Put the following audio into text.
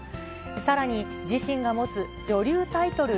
さらに自身が持つ女流タイトル